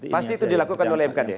pasti itu dilakukan oleh mkd